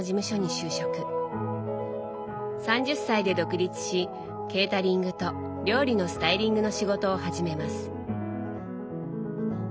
３０歳で独立しケータリングと料理のスタイリングの仕事を始めます。